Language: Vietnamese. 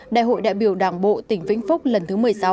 đại hội đại biểu đảng bộ tỉnh vĩnh phúc lần thứ một mươi sáu